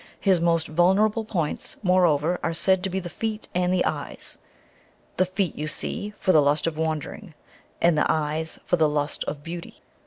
His most vulnerable points, moreover, are said to be the feet and the eyes; the feet, you see, for the lust of wandering, and the eyes for the lust of beauty.